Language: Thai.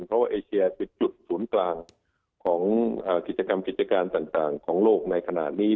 เพราะว่าเอเชียคือจุดศูนย์กลางของกิจกรรมกิจการต่างของโลกในขณะนี้